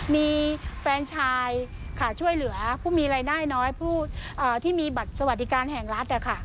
มีแฟนชายช่วยเหลือผู้มีรายได้น้อยผู้ที่มีบัตรสวัสดิการแห่งรัฐ